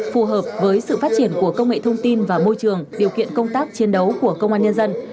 phù hợp với sự phát triển của công nghệ thông tin và môi trường điều kiện công tác chiến đấu của công an nhân dân